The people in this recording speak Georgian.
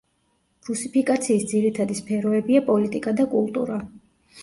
რუსიფიკაციის ძირითადი სფეროებია პოლიტიკა და კულტურა.